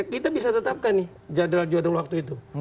kita bisa tetapkan nih jadwal jadwal waktu itu